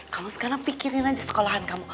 kalau sekarang pikirin aja sekolahan kamu